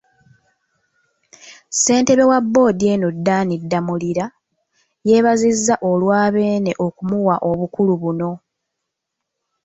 Ssentebe wa boodi eno Dan Damulira, yeebazizza olwa Beene okumuwa obukulu buno.